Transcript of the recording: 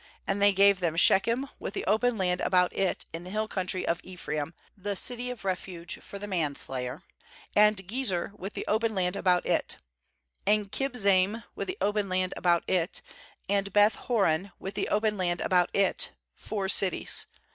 MAnd they gave them She chem with the open land about it in the hill country of Ephraim, the city of refuge for the manslayer, and Gezer with the open land about it; 22and Kibzaim with the open land about it, and Beth horqn with the open land about it; four cities.